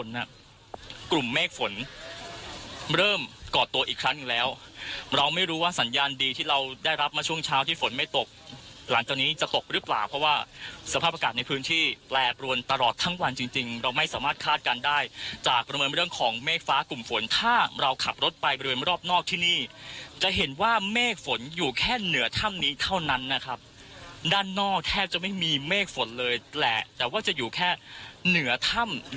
หลังจากนี้จะตกหรือเปล่าเพราะว่าสภาพอากาศในพื้นที่แปลกลวนตลอดทั้งวันจริงจริงเราไม่สามารถคาดกันได้จากประเมินไปเรื่องของเมฆฟ้ากลุ่มฝนถ้าเราขับรถไปไปเรื่องมารอบนอกที่นี่จะเห็นว่าเมฆฝนอยู่แค่เหนือถ้ำนี้เท่านั้นนะครับด้านนอกแทบจะไม่มีเมฆฝนเลยแหละแต่ว่าจะอยู่แค่เหนือถ้ํ